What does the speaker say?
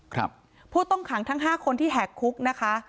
ครับผู้ต้องขังทั้งห้าคนที่แหกคุกนะคะ